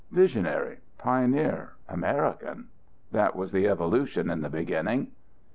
"Visionary, pioneer, American. That was the evolution in the beginning.